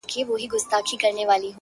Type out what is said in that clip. گراني چي د ټول كلي ملكه سې.